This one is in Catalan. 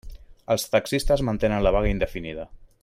Els taxistes mantenen la vaga indefinida.